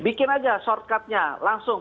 bikin saja shortcut nya langsung